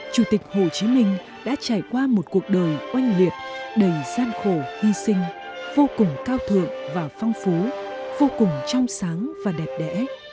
chủ tịch hồ chí minh đã trải qua một cuộc đời oanh liệt đầy gian khổ hy sinh vô cùng cao thượng và phong phú vô cùng trong sáng và đẹp đẽ